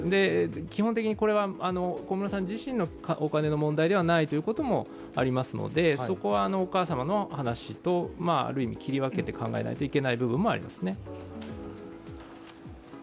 基本的に、これは小室さん自身のお金の問題ではないということもありますのでそこはお母様の話と、ある意味、切り分けて考えないといけない部分もありますね。